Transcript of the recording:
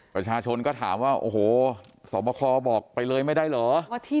ประชาชนก็ถามว่าโอ้โหสวบคบอกไปเลยไม่ได้เหรอ